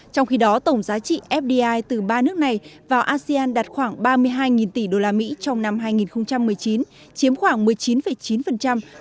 trong khi đó tổng giá trị fdi từ ba nước này vào asean đạt khoảng ba mươi hai tỷ usd trong năm hai nghìn một mươi chín chiếm khoảng một mươi chín chín trong tổng số fdi